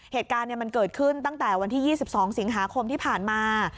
เหตุการณ์มันเกิดขึ้นตั้งแต่วันที่๒๒สิงหาคมที่ผ่านมา